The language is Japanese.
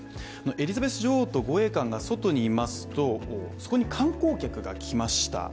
エリザベス女王と護衛官が外にいますとそこに観光客が来ました。